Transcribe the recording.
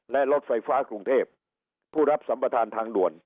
และรถไฟฟ้ากรุงเทพผู้รับสัมประธานทางด่วน